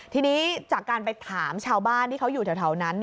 ทีนี้จากการไปถามชาวบ้านที่เขาอยู่แถวนั้น